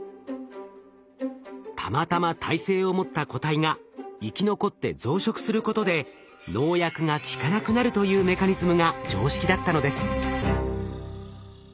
たまたま耐性を持った個体が生き残って増殖することで農薬が効かなくなるというメカニズムが常識だったのです。